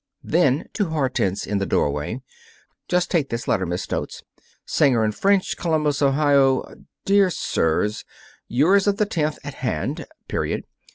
Then, to Hortense, in the doorway: "Just take this letter, Miss Stotz Singer & French, Columbus, Ohio. Dear Sirs: Yours of the tenth at hand. Period.